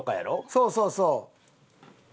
そうそうそう。